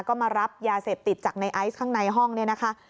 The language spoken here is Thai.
ก็มารับยาเสพติดจากในไอซ์ข้างในห้องเนี่ยนะคะ